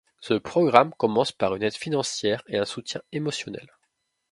Ce programme commence par une aide financière et un soutien émotionnel.